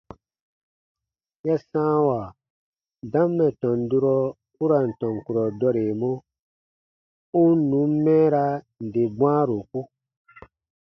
Ya sãawa dam mɛ̀ tɔn durɔ u ra n tɔn kurɔ dɔremɔ, u n nùn mɛɛraa nde bwãaroku.